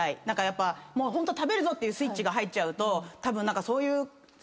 何かやっぱ食べるぞっていうスイッチが入っちゃうとたぶんそういう。